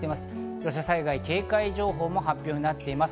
土砂災害警戒情報も発表になっています。